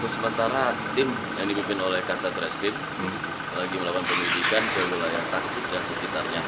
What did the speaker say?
sementara tim yang dibuat oleh ksat restit lagi melawan penyelidikan di luar atas sekitar sekitarnya